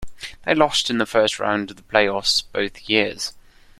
They lost in the first round of the play-offs both years.